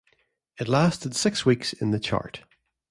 It lasted six weeks in the chart.